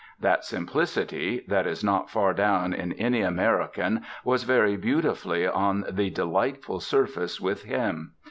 That simplicity that is not far down in any American was very beautifully on the delightful surface with him.